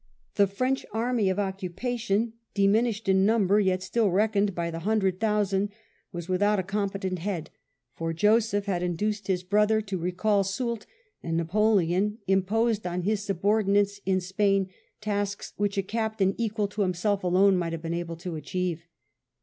The French army of occupation, diminished in number yet still reckoned by the hundred thousand, was without a competent head, for Joseph had induced his brother to VIII EFFECTS OF NAPOLEONS DISASTERS 175 recall Soult, and Napoleon imposed on his subordinates in Spain tasks which a captain equal to himself alone might have been able to achieve.